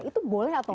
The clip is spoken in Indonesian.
itu boleh atau enggak